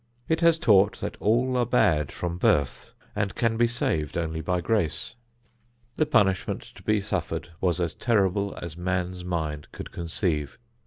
It has taught that all are bad from birth and can be saved only by grace. The punishment to be suffered was as terrible as man's mind could conceive.